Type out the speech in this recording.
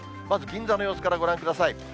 まず、銀座の様子からご覧ください。